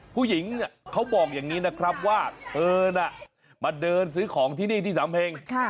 ผู้หญิงเขาบอกอย่างนี้นะครับว่าเธอน่ะมาเดินซื้อของที่นี่ที่สำเพ็ง